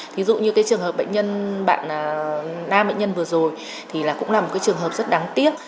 ví dụ như trường hợp bệnh nhân nam bệnh nhân vừa rồi cũng là một trường hợp rất đáng tiếc